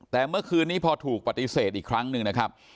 แต่เมื่อคืนนี้พอถูกปฏิเสธอีกครั้งหนึ่งนะครับ